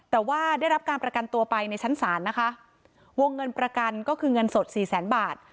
แต่ว่าได้รับการประกันตัวไปในชั้นศาลนะคะวงเงินประกันก็คือเงินสดสี่แสนบาท